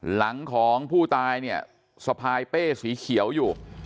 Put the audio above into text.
หลังของผู้ตายเนี่ยสะพายเป้สีเขียวอยู่